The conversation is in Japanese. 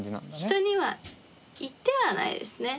人には言ってはないですね。